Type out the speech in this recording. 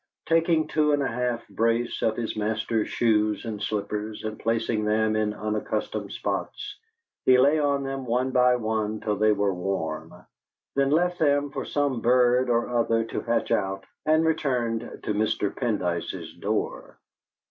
Taking two and a half brace of his master's shoes and slippers, and placing them in unaccustomed spots, he lay on them one by one till they were warm, then left them for some bird or other to hatch out, and returned to Mr. Pendyce's door.